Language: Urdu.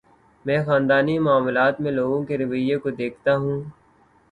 میں خاندانی معاملات میں لوگوں کے رویے کو دیکھتا ہوں۔